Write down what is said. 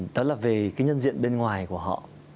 đó là về cái nhân diện bên ngoài của họ